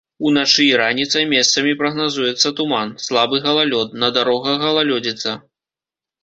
Уначы і раніцай месцамі прагназуецца туман, слабы галалёд, на дарогах галалёдзіца.